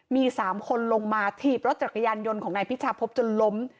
มี๓คนลงมาถีบรถจักรยานยนต์ของนายพิชาพบจนล้ม